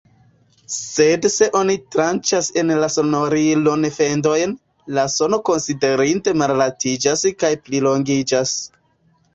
Sed se oni tranĉas en la sonorilon fendojn, la sono konsiderinde malaltiĝas kaj plilongiĝas.